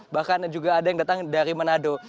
bahkan juga ada yang datang dari manado